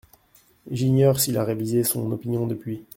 J’ignore s’il a révisé son opinion depuis.